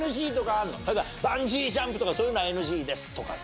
例えばバンジージャンプとかそういうのはＮＧですとかさ。